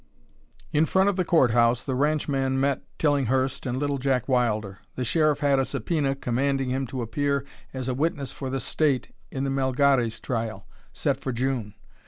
In front of the court house the ranchman met Tillinghurst and Little Jack Wilder. The Sheriff had a subpoena commanding him to appear as a witness for the State in the Melgares trial, set for June.